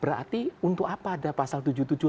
berarti untuk anda pak itu adalah hal yang harus dilakukan